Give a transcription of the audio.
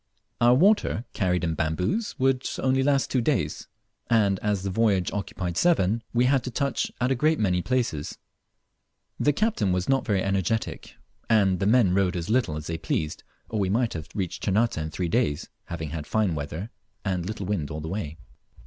Our water, carried in bamboos, would only last two days, and as the voyage occupied seven, we had to touch at a great many places. The captain was not very energetic, and the men rowed as little as they pleased, or we might have reached Ternate in three days, having had fine weather and little wind all the way.